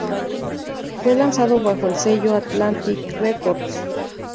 Fue lanzado bajo el sello Atlantic Records.